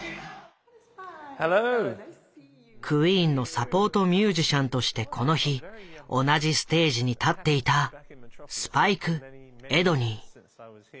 クイーンのサポートミュージシャンとしてこの日同じステージに立っていたスパイク・エドニー。